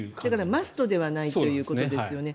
マストではないということですよね。